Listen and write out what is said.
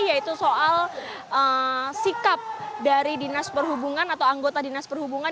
yaitu soal sikap dari dinas perhubungan atau anggota dinas perhubungan